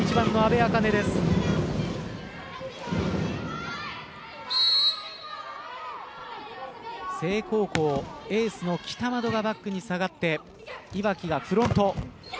誠英高校エースの北窓がバックに下がって岩城がフロント。